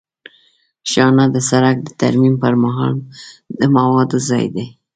شانه د سرک د ترمیم پر مهال د موادو ځای دی